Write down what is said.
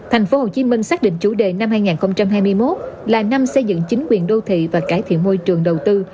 tp hcm xác định chủ đề năm hai nghìn hai mươi một là năm xây dựng chính quyền đô thị và cải thiện môi trường đầu tư